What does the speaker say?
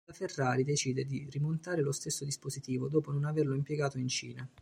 La Ferrari decide di rimontare lo stesso dispositivo dopo non averlo impiegato in Cina.